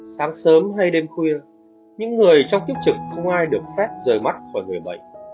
sáng sớm hay đêm khuya những người trong kiếp trực không ai được phép rời mắt khỏi người bệnh